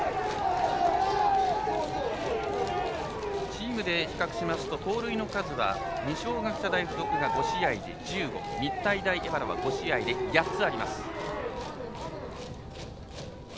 チームで比較しますと盗塁の数は二松学舎大付属が５試合で１５日体大荏原は５試合で８つあります。